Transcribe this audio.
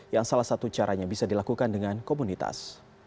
yang salah satu caranya bisa dilakukan dengan komunitas